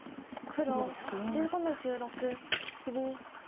黒１５の十六切り。